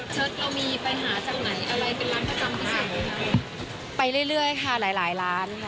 เชิดเรามีไปหาจากไหนอะไรเป็นร้านประจำที่สุดของเรา